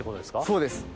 そうです。